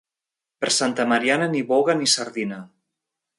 Per Santa Mariana, ni boga ni sardina.